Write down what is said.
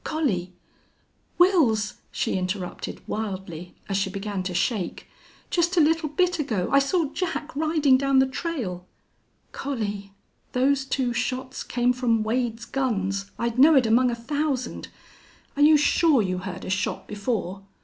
Collie " "Wils," she interrupted, wildly, as she began to shake. "Just a little bit ago I saw Jack riding down the trail!" "Collie!... Those two shots came from Wade's guns I'd know it among a thousand!... Are you sure you heard a shot before?"